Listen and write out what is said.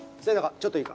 ちょっといいか？